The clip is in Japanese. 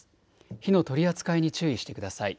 火の取り扱いに注意してください。